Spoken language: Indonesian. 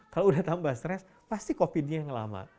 kalau udah tambah stres pasti covid nya yang lama